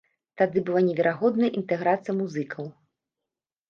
Тады была неверагодная інтэграцыя музыкаў.